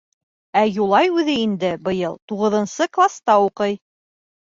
Ә Юлай үҙе инде быйыл туғыҙынсы класта уҡый.